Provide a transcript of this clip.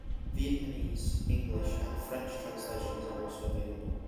Vietnamese, English, and French translations are also available.